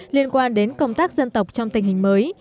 liên quan đến công tác dân tộc trong tình hình mới